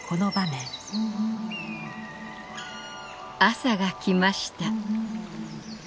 「朝がきました。